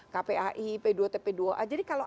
kpai p dua tp dua a jadi kalau